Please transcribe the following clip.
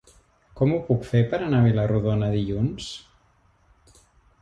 Com ho puc fer per anar a Vila-rodona dilluns?